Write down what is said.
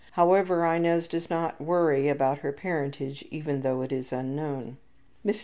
However, Inez does not worry about her parentage even though it is unknown. Mrs.